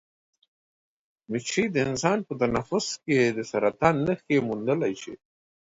مچۍ د انسان په تنفس کې د سرطان نښې موندلی شي.